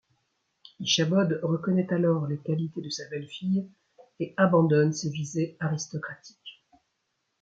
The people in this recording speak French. Ichabod reconnaît alors les qualités de sa belle-fille et abandonne ses visées aristocratiques.